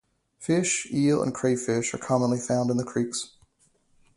Fish, eels and crayfish are commonly found in the creeks.